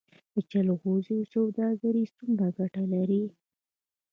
د جلغوزیو سوداګري څومره ګټه لري؟